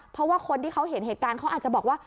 เพราะว่าคนที่เขาเห็นเหตุการณ์เขาอาจจะบอกว่า